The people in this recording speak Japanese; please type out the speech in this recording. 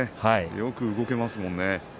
よく動けますもんね。